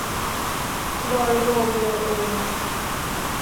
โดยรวมเลยโอ